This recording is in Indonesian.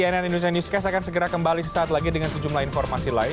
cnn indonesia newscast akan segera kembali sesaat lagi dengan sejumlah informasi lain